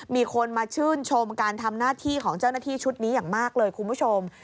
มีคนมาชื่นชมการทำหน้าที่ของเจ้าหน้าที่ชุดนี้อย่างมากเลยคุณผู้ชม